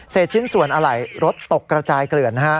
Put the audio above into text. เศษชิ้นส่วนอะไหล่รถตกกระจายเกลือน